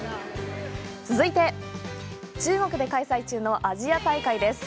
続いて中国で開催中のアジア大会です。